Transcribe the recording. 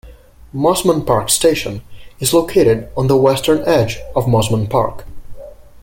Mosman Park station is located on the western edge of Mosman Park.